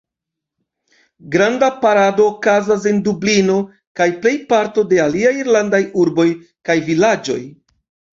Granda parado okazas en Dublino kaj plejparto de aliaj Irlandaj urboj kaj vilaĝoj.